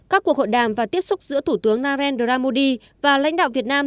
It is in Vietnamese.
các cuộc hội đàm và tiếp xúc giữa thủ tướng narendra modi và lãnh đạo việt nam